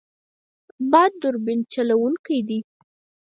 باد توربین چلوونکی دی.